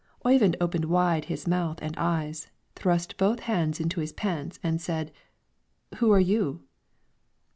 Oyvind opened wide his mouth and eyes, thrust both hands into his pants and said, "Who are you?"